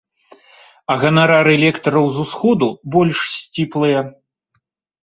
А ганарары лектараў з усходу больш сціплыя.